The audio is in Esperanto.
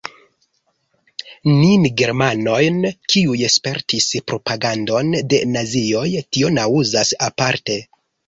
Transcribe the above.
Nin germanojn, kiuj spertis propagandon de nazioj, tio naŭzas aparte.